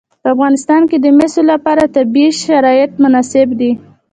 په افغانستان کې د مس لپاره طبیعي شرایط مناسب دي.